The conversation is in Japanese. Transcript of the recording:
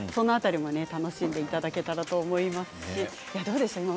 その辺りも楽しんでいただけたらと思います。